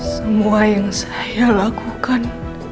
semua yang saya lakukan